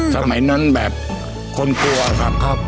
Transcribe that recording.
สมัยนั้นแบบคนกลัวครับ